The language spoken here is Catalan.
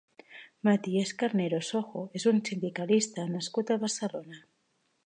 Matías Carnero Sojo és un sindicalista nascut a Barcelona.